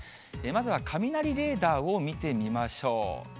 まずは雷レーダーを見てみましょう。